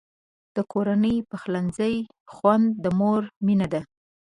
د کورني پخلنځي خوند د مور مینه ده.